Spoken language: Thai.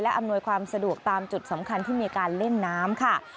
อำนวยความสะดวกตามจุดสำคัญที่มีการเล่นน้ำค่ะ